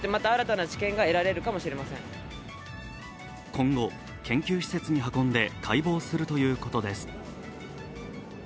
今後、研究施設に運んで解剖するということです。